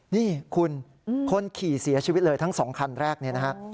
นี่คุณคนขี่เสียชีวิตเลยทั้ง๒คันแรกเนี่ยนะฮะ